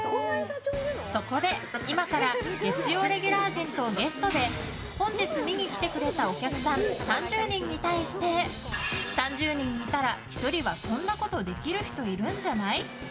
そこで、今から月曜レギュラー陣とゲストで本日、見に来てくれたお客さん３０人に対して３０人いたら１人はこんなことできる人いるんじゃない？